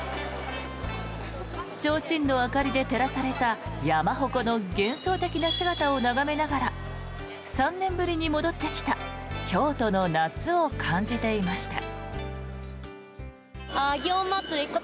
ちょうちんの明かりで照らされた山鉾の幻想的な姿を眺めながら３年ぶりに戻ってきた京都の夏を感じていました。